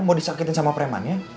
mau disakitin sama pereman najat